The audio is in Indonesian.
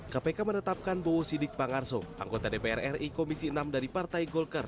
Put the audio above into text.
kpk menetapkan bowo sidik pangarso anggota dpr ri komisi enam dari partai golkar